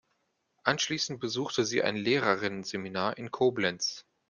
Anschließend besuchte sie ein Lehrerinnenseminar in Koblenz.